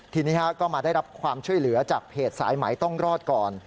ทีนี้ก็มาได้รับความช่วยเหลือจากเพจสายไหมต้องรอดก่อน